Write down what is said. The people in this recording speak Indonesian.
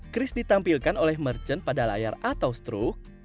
chris ditampilkan oleh merchant pada layar atau stroke